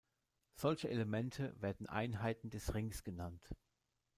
Solche Elemente werden Einheiten des Rings genannt.